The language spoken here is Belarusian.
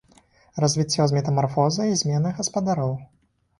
Развіццё з метамарфозай і зменай гаспадароў.